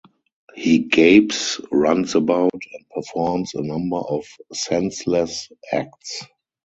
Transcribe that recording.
He gapes, runs about, and performs a number of senseless acts.